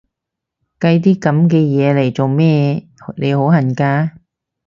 計啲噉嘅嘢嚟做咩？，你好恨嫁？